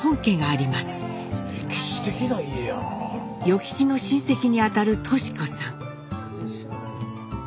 与吉の親戚にあたる敏子さん。